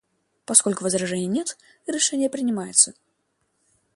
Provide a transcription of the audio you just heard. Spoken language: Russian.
Поскольку возражений нет, решение принимается.